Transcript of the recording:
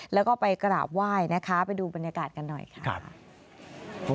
แล้วก็ไปกราบไหว้นะคะไปดูบรรยากาศกันหน่อยค่ะ